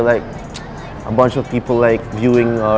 และมันขึ้นไปทุกโลก